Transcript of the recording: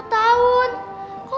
bella sekolahnya satu tahun